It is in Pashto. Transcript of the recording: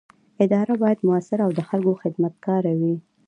اداره باید مؤثره او د خلکو خدمتګاره وي.